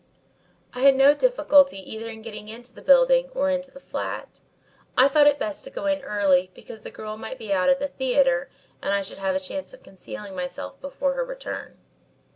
"I had no difficulty either in getting into the building or into the flat. I thought it best to go in early because the girl might be out at the theatre and I should have a chance of concealing myself before her return.